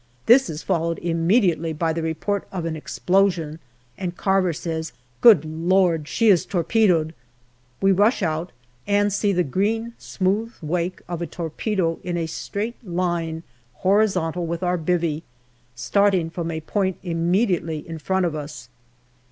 This is followed immedi ately by the report of an explosion, and Carver says, " Good Lord, she is torpedoed !" We rush out, and see the green smooth wake of a torpedo in a straight line horizontal with our " bivvy," starting from a point immediately in front of us.